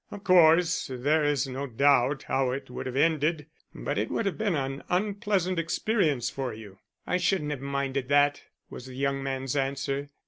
Of course, there is no doubt how it would have ended, but it would have been an unpleasant experience for you." "I shouldn't have minded that," was the young man's answer.